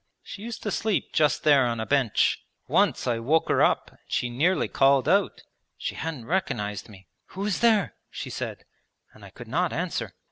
She used to sleep just there on a bench. Once I woke her up and she nearly called out. She hadn't recognized me. "Who is there?" she said, and I could not answer.